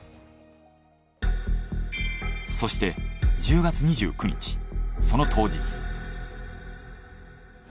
そして１０月２９日その当日。